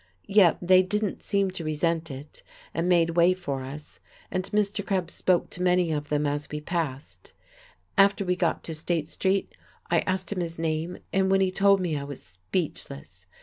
Yet they didn't seem to resent it, and made way for us, and Mr. Krebs spoke to many of them as we passed. After we got to State Street, I asked him his name, and when he told me I was speechless.